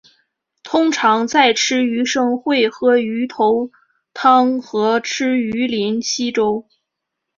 通常在吃鱼生会喝鱼头汤和吃鱼片稀粥。